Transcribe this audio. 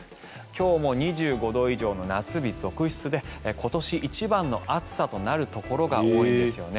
今日も２５度以上の夏日続出で今年一番の暑さとなるところが多いんですよね。